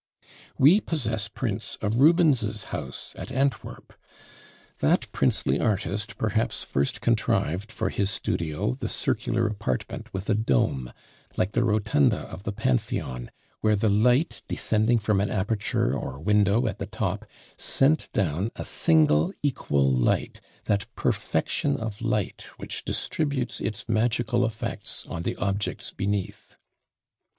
We possess prints of Rubens's house at Antwerp. That princely artist perhaps first contrived for his studio the circular apartment with a dome, like the rotunda of the Pantheon, where the light descending from an aperture or window at the top, sent down a single equal light, that perfection of light which distributes its magical effects on the objects beneath.